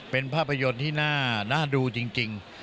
เป็นภาพยนตร์ที่น่าดูจริง